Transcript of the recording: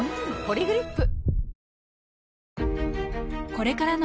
「ポリグリップ」